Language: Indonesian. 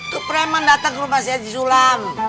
tuk rehman datang ke rumah si haji sulam